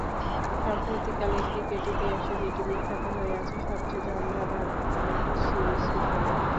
সাম্প্রতিককালের cricket ইতিহাসে যেটি বিখ্যাত হয়ে আছে সবচেয়ে জমজমাট সিরিজ হিসেবে।